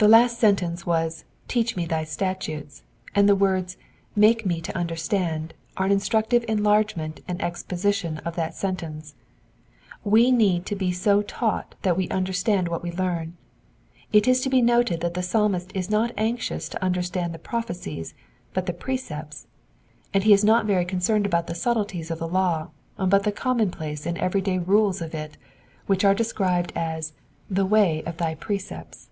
The last sentence was, ^* teach me thy statutes,^' and the words, ^^make me to understand/* are an instructive enlargement and exposition of that sentence : we need to be so taught that we understand what we learn. It is to be noted that the Psalmist is not anxious to under stand the prophecies, but the precepts, and he is not concerned about the subtleties of the law, but the commonplaces and everyday i ules of it, which are described as the way of thy precepts."